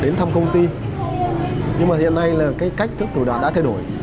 khi đến thăm công ty nhưng mà hiện nay là cái cách thức tổ đoàn đã thay đổi